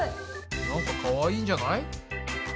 なんかかわいいんじゃない？